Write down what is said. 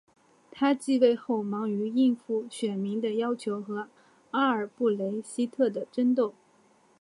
他即位后忙于应付选民的要求和阿尔布雷希特的争斗。